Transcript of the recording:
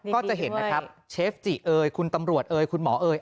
ก็จะเห็นนะครับเชฟจิเอยคุณตำรวจเอยคุณหมอเอ๋ย